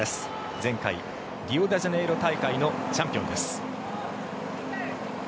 前回、リオデジャネイロ大会のチャンピオンです。